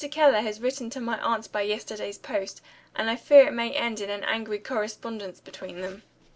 Keller has written to my aunt by yesterday's post; and I fear it may end in an angry correspondence between them."